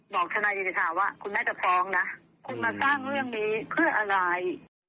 บอกทนายสิทธาว่าคุณแม่จะฟ้องนะคุณมาสร้างเรื่องนี้เพื่ออะไร